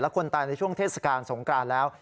คนตายในช่วงเทศกาลสงกรานแล้ว